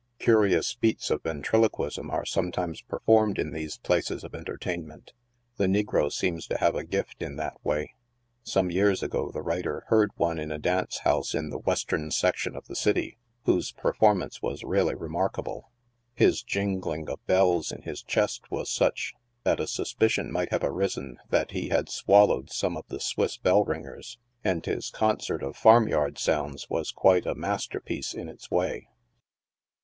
Curious feats of ventriloquism are sometimes performed in these places of entertainment. The negro seems to have a gift in that way. Some years ago the writer heard one in a dance house in the western section of the city, whose performance was really remark able. His jingling of bells in his chest was such, that a suspicion might have arisen that he had swallowed some of the Swiss bell ringers, and his concert of farm yard sounds was quite a master piece in its way.